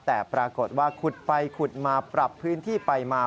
แต่ปรากฏว่าขุดไปขุดมาปรับพื้นที่ไปมา